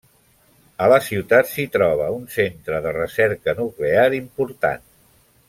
A la ciutat s'hi troba un centre de recerca nuclear important.